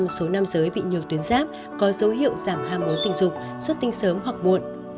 sáu mươi ba số nam giới bị nhược tuyến giáp có dấu hiệu giảm ham muốn tình dục suốt tinh sớm hoặc muộn